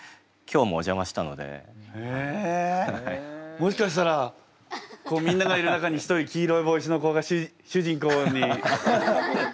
もしかしたらこうみんながいる中に一人黄色い帽子の子が主人公に。